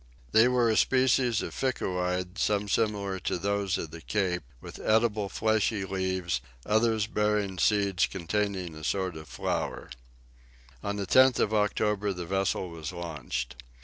They were a species of ficoide, some similar to those of the Cape, with eatable fleshy leaves, others bearing seeds containing a sort of flour. On the 10th of October the vessel was launched.